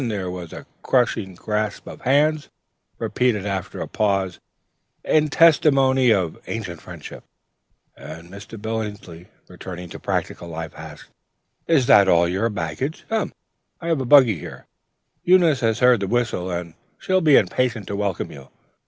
Then there was a crushing grasp of hands, repeated after a pause, in testimony of ancient friendship, and Mr. Billings, returning to practical life, asked: "Is that all your baggage? Come, I have a buggy here: Eunice has heard the whistle, and she'll be impatient to welcome you."